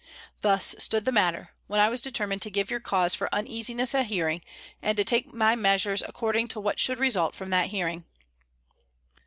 Thus stood the matter, when I was determined to give your cause for uneasiness a hearing, and to take my measures according to what should result from that hearing."